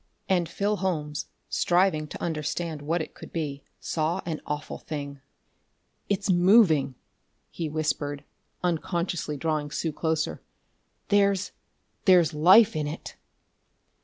And Phil Holmes, striving to understand what it could be, saw an awful thing. "It's moving!" he whispered, unconsciously drawing Sue closer. "There's there's life in it!"